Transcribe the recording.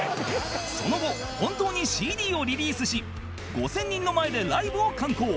その後本当に ＣＤ をリリースし５０００人の前でライブを敢行